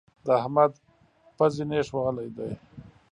د احمد پزې نېښ ولی دی.